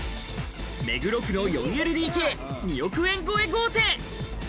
目黒区の４ＬＤＫ、２億円ごえ豪邸！